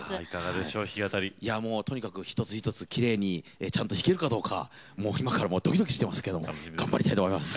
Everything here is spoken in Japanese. もうとにかく一つ一つきれいにちゃんと弾けるかどうか今からドキドキしてますけども頑張りたいと思います。